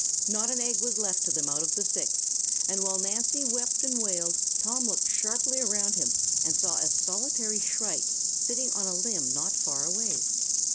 Not an egg was left to them out of the six, and while Nancy wept and wailed Tom looked sharply around him and saw a solitary shrike sitting on a limb not far away."